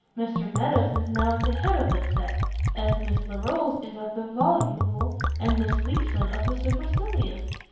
Mr Meadows is now at the head of this sect, as Miss Larolles is of the VOLUBLE, and Miss Leeson of the SUPERCILIOUS.